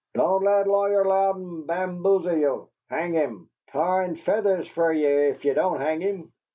"Don't let Lawyer Louden bamboozle you!" "Hang him!" "Tar and feathers fer ye ef ye don't hang him!"